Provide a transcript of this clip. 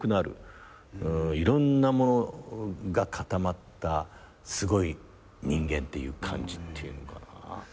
いろんなものが固まったすごい人間っていう感じっていうのかな。